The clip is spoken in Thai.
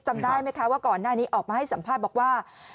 จำได้ไหมคะว่าก่อนหน้านี้ออกมาให้สัมภาษณ์บอกว่า